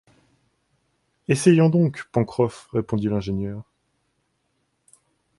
Essayons donc, Pencroff, répondit l’ingénieur